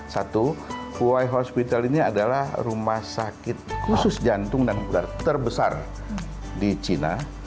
satu puhai hospital ini adalah rumah sakit khusus jantung dan udara terbesar di cina